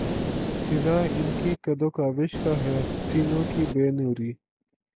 صلہ ان کی کد و کاوش کا ہے سینوں کی بے نوری